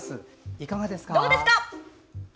いかがですか？